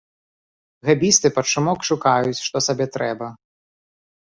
Гэбісты пад шумок шукаюць, што сабе трэба?